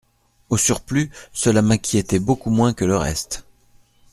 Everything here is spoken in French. Au surplus, cela m'inquiétait beaucoup moins que le reste.